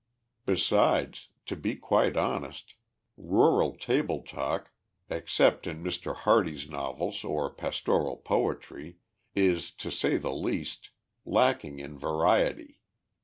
Besides, to be quite honest, rural table talk, except in Mr. Hardy's novels or pastoral poetry, is, to say the least, lacking in variety.